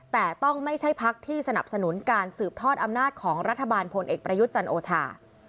แต่ต้องไม่ใช่พักที่สนับสนุนการสืบทอดอำนาจของรัฐบาลพลเอกประยุทธ์จันโอชา